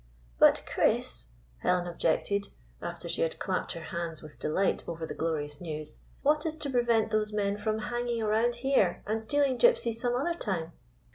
''But, Chris," Helen objected, after she had clapped her hands with delight over the glorious news, "what is to prevent those men from hang ing around here and stealing Gypsy some other time?"